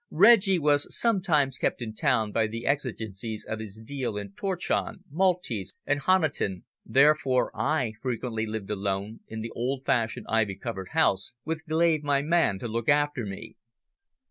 Reggie was sometimes kept in town by the exigencies of his deal in torchon, Maltese and Honiton, therefore I frequently lived alone in the old fashioned, ivy covered house, with Glave, my man, to look after me.